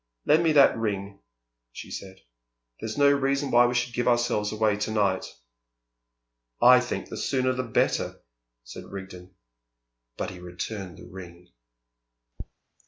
"Lend me that ring," she said. "There's no reason why we should give ourselves away to night." "I think the sooner the better," said Rigden. But he returned the ring.